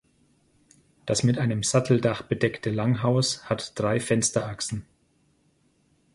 Das mit einem Satteldach bedeckte Langhaus hat drei Fensterachsen.